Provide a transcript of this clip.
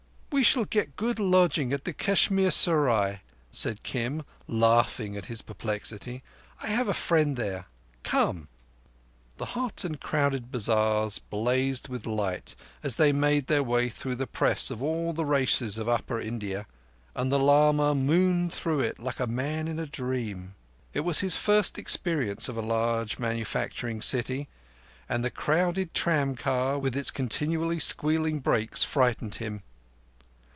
"We shall get good lodging at the Kashmir Serai," said Kim, laughing at his perplexity. "I have a friend there. Come!" The hot and crowded bazars blazed with light as they made their way through the press of all the races in Upper India, and the lama mooned through it like a man in a dream. It was his first experience of a large manufacturing city, and the crowded tram car with its continually squealing brakes frightened him.